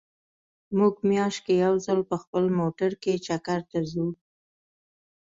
مونږ مياشت کې يو ځل په خپل موټر کې چکر ته ځو